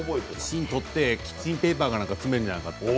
芯とってキッチンペーパーかなんか詰めるんじゃなかったかな。